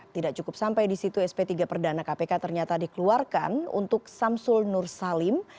tidak cukup sampai di situ sp tiga perdana kpk ternyata dikeluarkan untuk samsul nur salim